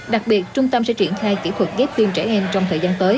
đặc biệt trung tâm sẽ triển khai kỹ thuật ghép tim trẻ em trong thời gian tới